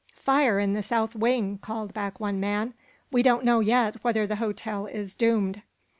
"Fire in the south wing," called back one man. "We don't know, yet, whether the hotel is doomed."